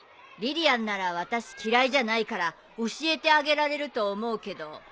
リリアンなら私嫌いじゃないから教えてあげられると思うけど。